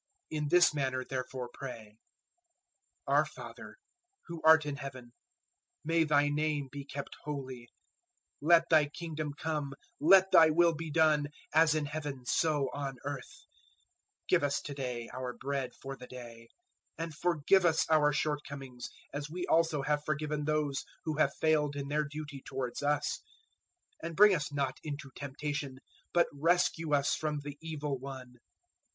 006:009 "In this manner therefore pray: `Our Father who art in Heaven, may Thy name be kept holy; 006:010 let Thy kingdom come; let Thy will be done, as in Heaven so on earth; 006:011 give us to day our bread for the day; 006:012 and forgive us our shortcomings, as we also have forgiven those who have failed in their duty towards us; 006:013 and bring us not into temptation, but rescue us from the Evil one.'